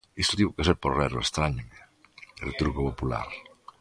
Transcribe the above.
"Iso tivo que ser por erro, estráñame", retruca a popular.